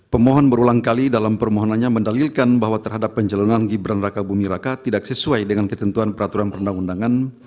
pemohon berulang kali dalam permohonannya mendalilkan bahwa terhadap pencalonan gibran raka bumi raka tidak sesuai dengan ketentuan peraturan perundang undangan